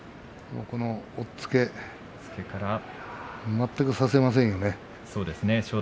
押っつけ、全く差せませんよね。